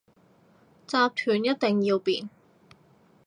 集團一定要變